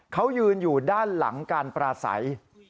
เขายืนอยู่ด้านหลังการปราศัย